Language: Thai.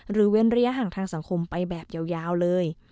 เว้นระยะห่างทางสังคมไปแบบยาวเลย